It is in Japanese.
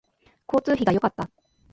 交通費が良かった